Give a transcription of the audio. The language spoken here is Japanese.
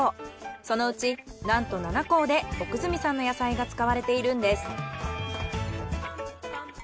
そのうちなんと７校で奥住さんの野菜が使われているんです。